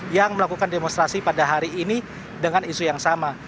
yang melakukan demonstrasi pada hari ini dengan isu yang sama